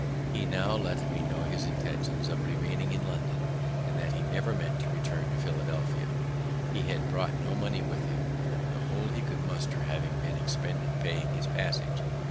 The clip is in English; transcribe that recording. He now let me know his intentions of remaining in London, and that he never meant to return to Philadelphia. He had brought no money with him, the whole he could muster having been expended in paying his passage.